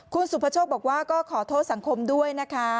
คุณสุภโชคบอกว่าก็ขอโทษสังคมด้วยนะคะ